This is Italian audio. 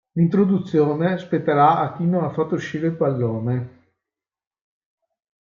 L'introduzione spetterà a chi non ha fatto uscire il pallone.